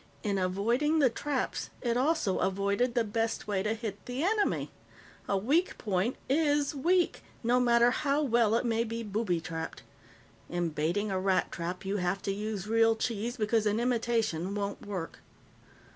In avoiding the traps, it also avoided the best way to hit the enemy. A weak point is weak, no matter how well it may be booby trapped. In baiting a rat trap, you have to use real cheese because an imitation won't work.